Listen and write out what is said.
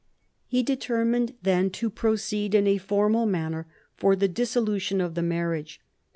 He determined then to proceed in a formal manner for the dissolution of the marriage.